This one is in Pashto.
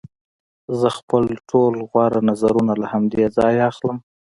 زه خپل ټول غوره نظرونه له همدې ځایه اخلم